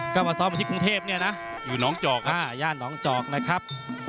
ก็มาซ้อมกันที่กรุงเทพเนี่ยนะอยู่น้องจอกย่านน้องจอกนะครับ